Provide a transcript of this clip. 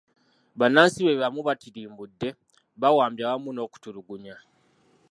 Bannansi be bamu batirimbudde, bawambye awamu n'okutulugunya